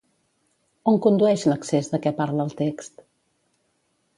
On condueix l'accés de què parla el text?